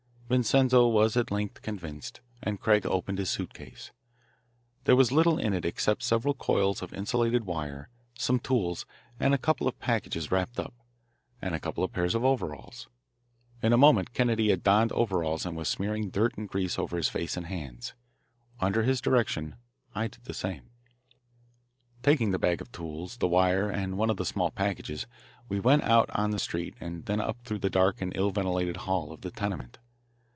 Vincenzo was at length convinced, and Craig opened his suit case. There was little in it except several coils of insulated wire; some tools, a couple of packages wrapped up, and a couple of pairs of overalls. In a moment Kennedy had donned overalls and was smearing dirt and grease over his face and hands. Under his direction I did the same. Taking the bag of tools, the wire, and one of the small packages, we went out on the street and then up through the dark and ill ventilated hall of the tenement.